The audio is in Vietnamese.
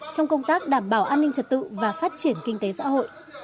trong công tác đảm bảo an ninh trật tự và phát triển kinh tế xã hội